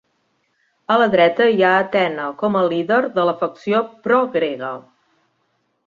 A la dreta hi ha Athena com a líder de la facció pro-grega.